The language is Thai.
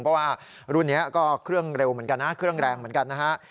เพราะว่ารุ่นนี้ก็เครื่องเร็วเหมือนกันนะเครื่องแรงเหมือนกันนะฮะ